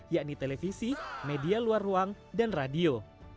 yakni televisi media luar ruang dan radio